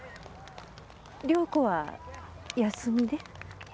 良子は休みで。